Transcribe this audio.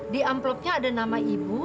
di amplopnya ada nama ibu